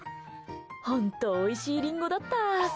本当、おいしいリンゴだった。